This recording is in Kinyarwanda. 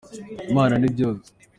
Imana ni byose.